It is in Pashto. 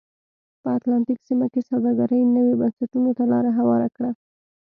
په اتلانتیک سیمه کې سوداګرۍ نویو بنسټونو ته لار هواره کړه.